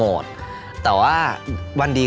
รู้จักไหม